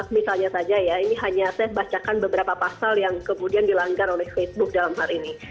misalnya saja ya ini hanya saya bacakan beberapa pasal yang kemudian dilanggar oleh facebook dalam hal ini